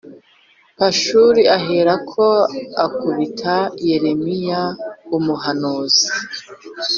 Pashuri aherako akubita yeremiya umuhanuzi